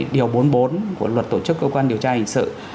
điều bốn mươi bốn của luật tổ chức cơ quan điều tra hình sự